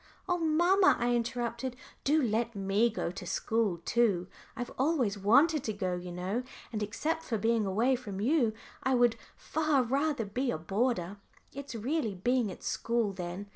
"Oh, mamma," I interrupted, "do let me go to school too. I have always wanted to go, you know, and except for being away from you, I would far rather be a boarder. It's really being at school then.